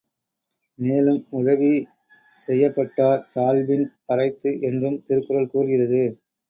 மேலும் உதவி செயப்பட்டார் சால்பின் வரைத்து என்றும் திருக்குறள் கூறுகிறது.